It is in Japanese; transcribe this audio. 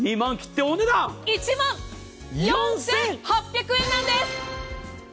１万４８００円なんです。